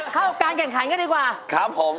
เข้าการแข่งขันกันดีกว่าครับผม